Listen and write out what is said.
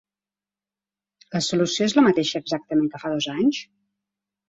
La solució és la mateixa exactament que fa dos anys?